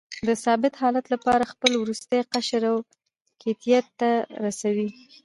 د ثابت حالت لپاره خپل وروستی قشر اوکتیت ته رسوي.